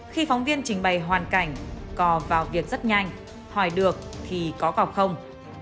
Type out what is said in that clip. khi phóng viên trình bày hoàn cảnh cò vào việc rất nhanh hỏi được khi có cọc không